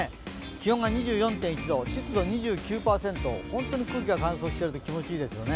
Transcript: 気温が２４．１度、湿度２９％、本当に空気が乾燥していると気持ちいいですよね。